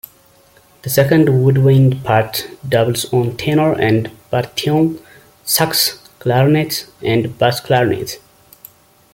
The second woodwind part doubles on tenor and baritone sax, clarinet, and bass clarinet.